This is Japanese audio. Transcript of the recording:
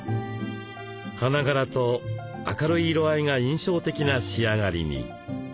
花柄と明るい色合いが印象的な仕上がりに。